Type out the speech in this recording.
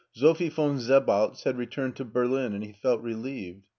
Sophie von Sebaltz had returned to Berlin, and he felt relieved.